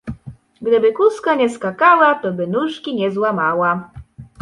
Gdyby kózka nie skakała, to by nóżki nie złamała.